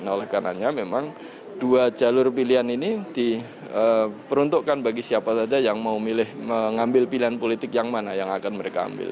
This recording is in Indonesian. oleh karena memang dua jalur pilihan ini diperuntukkan bagi siapa saja yang mau mengambil pilihan politik yang mana yang akan mereka ambil